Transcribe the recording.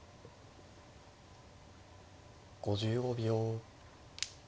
５５秒。